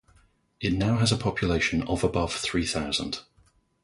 It now has a population of above three thousand.